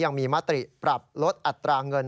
ยังมีมติปรับลดอัตราเงิน